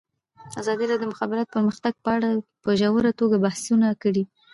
ازادي راډیو د د مخابراتو پرمختګ په اړه په ژوره توګه بحثونه کړي.